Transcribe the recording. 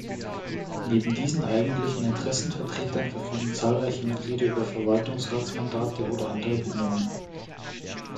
Neben diesen eigentlichen Interessenvertretern verfügen zahlreiche Mitglieder über Verwaltungsratsmandate oder andere Bindungen.